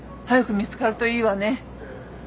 早く見つかるといいわね。